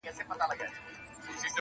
نه په کار مي دی معاش نه منصب او نه مقام،